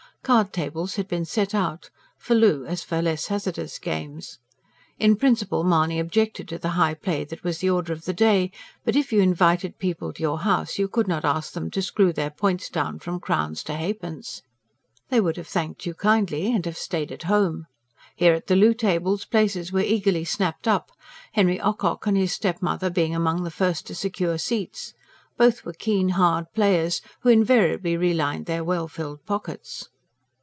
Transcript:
Card tables had been set out for loo, as for less hazardous games. In principle, Mahony objected to the high play that was the order of the day; but if you invited people to your house you could not ask them to screw their points down from crowns to halfpence. They would have thanked you kindly and have stayed at home. Here, at the loo table places were eagerly snapped up, Henry Ocock and his stepmother being among the first to secure seats: both were keen, hard players, who invariably re lined their well filled pockets.